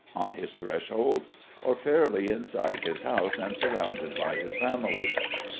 on his threshold? or fairly inside his house and surrounded by his family?